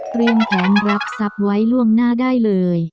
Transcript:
เปลี่ยนแผนรับซับไว้ล่วงหน้าได้เลย